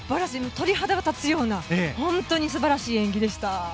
鳥肌が立つような本当に素晴らしい演技でした。